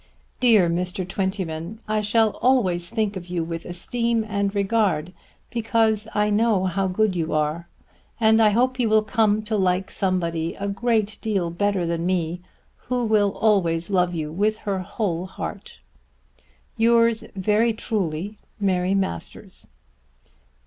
Dear Mr. Twentyman, I shall always think of you with esteem and regard, because I know how good you are; and I hope you will come to like somebody a great deal better than me who will always love you with her whole heart. Yours very truly, MARY MASTERS.